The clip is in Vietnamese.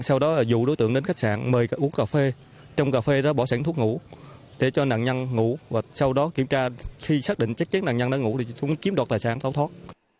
sau đó là dụ đối tượng đến khách sạn mời uống cà phê trong cà phê đó bỏ sẵn thuốc ngủ để cho nạn nhân ngủ và sau đó kiểm tra khi xác định chắc chắn nạn nhân đã ngủ thì chúng kiếm đoạt tài sản tháo thoát